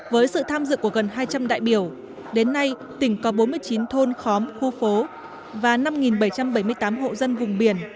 với sự tham dự của gần hai trăm linh đại biểu đến nay tỉnh có bốn mươi chín thôn khóm khu phố và năm bảy trăm bảy mươi tám hộ dân vùng biển